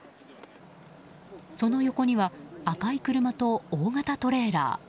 その横には赤い車と大型トレーラー。